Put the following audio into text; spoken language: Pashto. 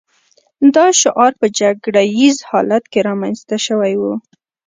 دا شعار په جګړه ییز حالت کې رامنځته شوی و